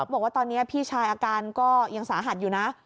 บอกว่าตอนนี้พี่ชายอาการก็ยังสาหัสอยู่นะ